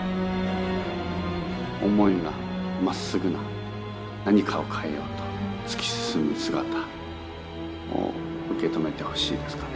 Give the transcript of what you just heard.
思いがまっすぐな何かを変えようと突き進む姿を受け止めてほしいですかね。